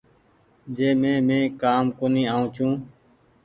جنهن مي مين ڪآم ڪونيٚ آئو ڇون ۔